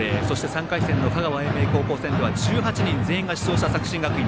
３回戦の香川・英明高校戦では１８人全員が出場した作新学院。